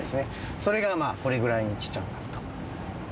それがこれくらいにちっちゃくなると。